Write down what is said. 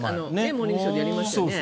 「モーニングショー」でやりましたよね。